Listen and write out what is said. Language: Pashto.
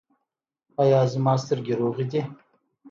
ایا زما سترګې روغې دي؟